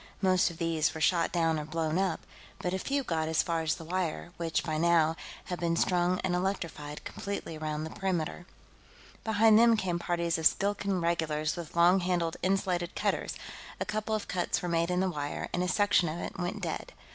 Most of these were shot down or blown up, but a few got as far as the wire, which, by now, had been strung and electrified completely around the perimeter. Behind them came parties of Skilkan regulars with long handled insulated cutters; a couple of cuts were made in the wire, and a section of it went dead.